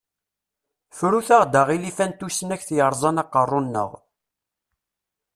Fru-aɣ-d aɣilif-a n tusnakt yerẓan aqerruy-nneɣ.